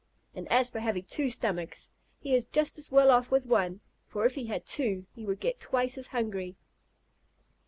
And as for having two stomachs, he is just as well off with one, for if he had two, he would get twice as hungry."